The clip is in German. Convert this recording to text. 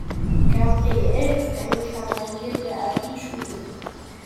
Gabriel ist ein Kavalier der alten Schule.